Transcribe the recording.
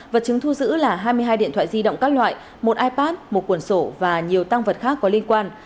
vật chứng thu giữ là hai mươi hai điện thoại di động các loại một ipad một quần sổ và nhiều tăng vật khác có liên quan